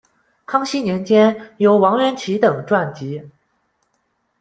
康熙年间由王原祁等纂辑。